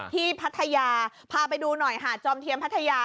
พัทยาพาไปดูหน่อยหาดจอมเทียมพัทยา